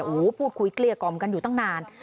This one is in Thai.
โอ้โหพูดคุยเกลี้ยกล่อมกันอยู่ตั้งนาน